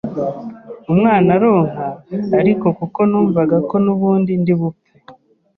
umwana aronka ariko kuko numvaga ko nubundi ndi bupfe